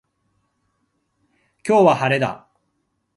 今日は晴れだ。